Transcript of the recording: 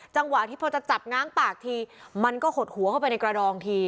จังหวะที่พอจะจับง้างปากทีมันก็หดหัวเข้าไปในกระดองที